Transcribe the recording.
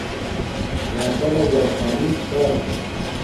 راکانا جاپانیک چھا کا